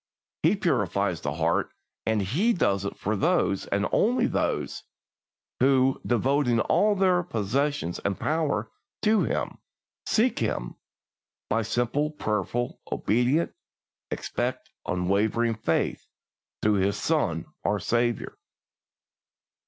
He purifies the heart, and He does it for those, and only those who, devoting all their possessions and powers to Him, seek Him by simple, prayerful, obedient, expectant, unwavering faith through His Son our Saviour.